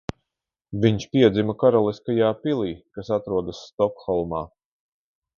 Viņš piedzima Karaliskajā pilī, kas atrodas Stokholmā.